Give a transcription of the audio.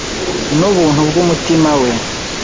n’ubuntu bw’umutima we